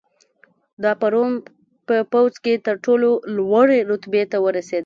دا په روم په پوځ کې تر ټولو لوړې رتبې ته ورسېد